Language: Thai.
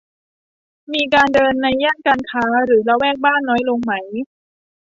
มีการเดินในย่านการค้าหรือละแวกบ้านน้อยลงไหม